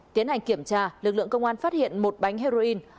tiến hành kiểm tra lực lượng công an phát hiện một bánh heroin